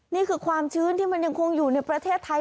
นี่คือความชื้นที่มันยังคงอยู่ในประเทศไทย